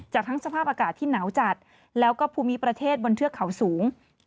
จากทั้งสภาพอากาศที่หนาวจัดแล้วก็ภูมิประเทศบนเทือกเขาสูง